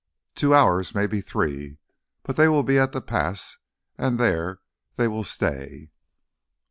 "Two hours—maybe three. But they will be at the pass and there they will stay."